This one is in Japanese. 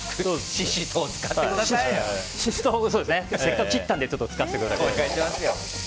シシトウ、せっかく切ったので使わせてください。